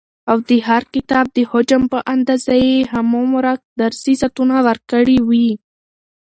او د هر کتاب د حجم په اندازه يي هغومره درسي ساعتونه ورکړي وي،